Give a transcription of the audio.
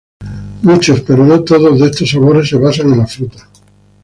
Muchos, pero no todos, de estos sabores se basan en la fruta.